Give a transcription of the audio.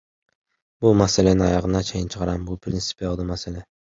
Бул маселени аягына чейин чыгарам, бул принципиалдуу маселе!